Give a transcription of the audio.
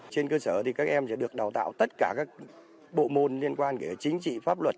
trên cơ sở thì các em sẽ được đào tạo tất cả các bộ môn liên quan cả chính trị pháp luật